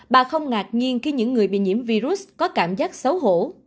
bà không ngạc nhiên khi những người bị nhiễm virus có cảm giác xấu hổ